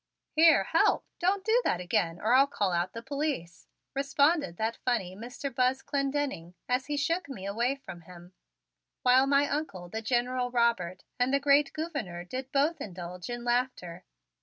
"Here, help! Don't do that again or I'll call out the police," responded that funny Mr. Buzz Clendenning, as he shook me away from him, while my Uncle, the General Robert, and the great Gouverneur did both indulge in laughter.